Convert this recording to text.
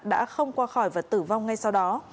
đã không qua khỏi và tử vong ngay sau đó